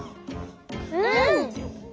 うん！